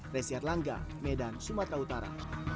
resiat langga medan sumatera utara